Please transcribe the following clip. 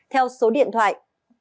theo số điện thoại